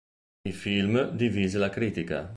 Il film divise la critica.